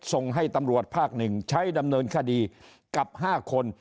ส่งให้ตำรวจภาค๑ใช้ดำเนินคดีกับ๕คน